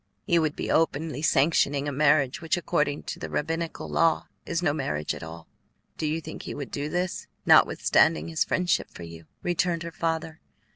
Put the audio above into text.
"He would be openly sanctioning a marriage which according to the rabbinical law is no marriage at all. Do you think he would do this, notwithstanding his friendship for you?" returned her father.